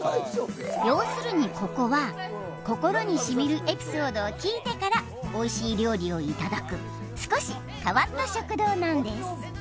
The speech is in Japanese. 要するにここは心にしみるエピソードを聞いてからおいしい料理をいただく少し変わった食堂なんです